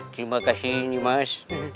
terima kasih mas